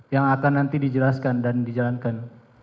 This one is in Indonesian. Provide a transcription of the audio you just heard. yang akan nanti dijelaskan dan dijalankan